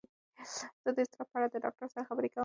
زه د اضطراب په اړه د ډاکتر سره خبرې کوم.